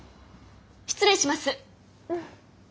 失礼します。